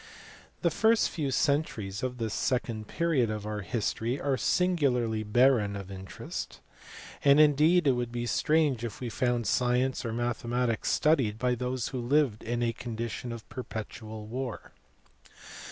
THE first few centuries of this second period of our history are singularly barren of interest; and indeed it would be strange if we found science or mathematics studied by those who lived in a condition of perpetual war.